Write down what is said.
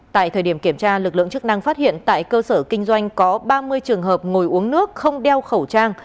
tại thời điểm kiểm tra lực lượng chức năng phát hiện tại cơ sở kinh doanh có ba mươi trường hợp ngồi uống nước không đeo khẩu trang